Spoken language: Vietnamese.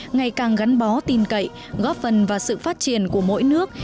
ngày càng gắn bó tin cậy góp phần vào sự phát triển của mỗi nước